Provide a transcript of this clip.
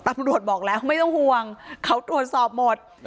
ตำรวจบอกแล้วไม่ต้องห่วงเขาตรวจสอบหมด